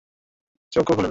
চোখও খুলে না।